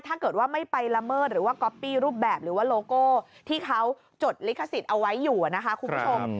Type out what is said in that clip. ถ้าเกิดว่าไม่ไปละเมิดหรือว่าก๊อปปี้รูปแบบหรือว่าโลโก้ที่เขาจดลิขสิทธิ์เอาไว้อยู่นะคะคุณผู้ชม